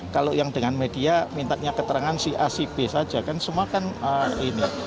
kalau yang dengan media mintanya keterangan si a si b saja kan semua kan ini